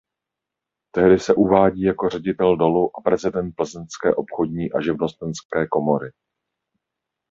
Tehdy se uvádí jako ředitel dolu a prezident plzeňské obchodní a živnostenské komory.